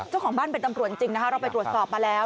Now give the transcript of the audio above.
เจ้าของบ้านเป็นตำรวจจริงนะคะเราไปตรวจสอบมาแล้ว